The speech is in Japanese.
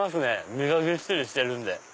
身がぎっしりしてるんで。